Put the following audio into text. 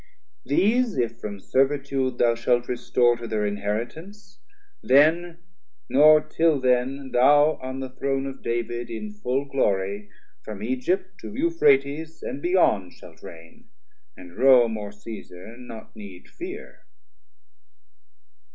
380 These if from servitude thou shalt restore To thir inheritance, then, nor till then, Thou on the Throne of David in full glory, From Egypt to Euphrates and beyond Shalt raign, and Rome or Caesar not need fear.